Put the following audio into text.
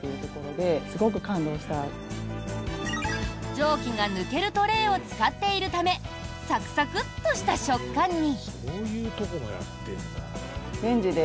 蒸気が抜けるトレーを使っているためサクサクッとした食感に！